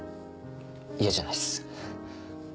嫌じゃないっす。